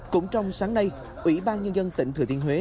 cũng trong sáng nay ủy ban nhân dân tỉnh thừa thiên huế